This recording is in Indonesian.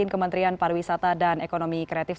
kementerian pariwisata dan ekonomi kreatif